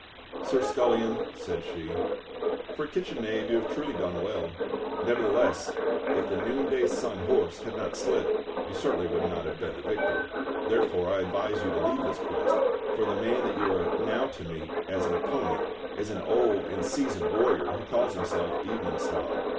"Sir Scullion," said she, "for a kitchen knave you have truly done well. Nevertheless, if the Noonday Sun's horse had not slipped you certainly would not have been the victor. Therefore I advise you to leave this quest, for the man that you are now to meet as an opponent is an old and seasoned warrior, who calls himself Evening Star.